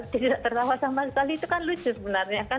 tidak tertawa sama sekali itu kan lucu sebenarnya kan